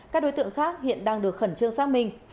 các đối tượng khác hiện đang được khẩn trương xác minh